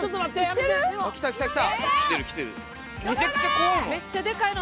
めちゃくちゃ怖いもん。